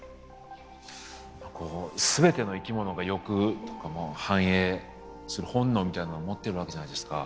こう全ての生き物が欲とか繁栄する本能みたいなのを持ってるわけじゃないですか。